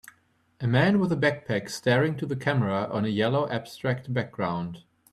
a man with a backpack staring to the camera on a yellow abstract background